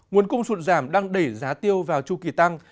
nguồn cung sụt giảm đang đẩy giá tiêu vào chu kỳ tăng